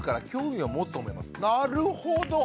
なるほど！